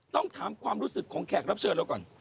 ต้องถามความรู้สึกของแขกรับเชิญเราก่อน